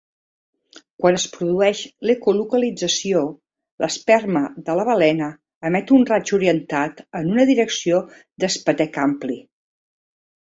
Quan es produeix l'ecolocalització, l'esperma de la balena emet un raig orientat en una direcció d'espetec ampli.